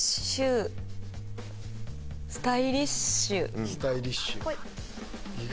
「スタイリッシュ」。